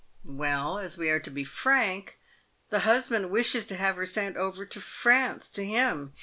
" Well, as we are to be frank, the husband wishes to have her sent over to France to him.